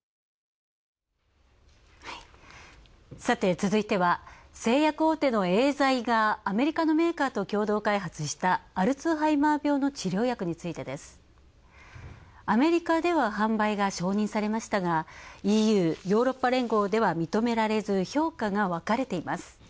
続いては、製薬大手のエーザイがアメリカ製薬大手と共同開発したアルツハイマー病の治療薬について。アメリカで販売が承認されましたが、ＥＵ＝ヨーロッパ連合では認められず、評価が分かれています。